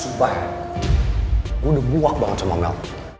sumpah ya gue udah buak banget sama mel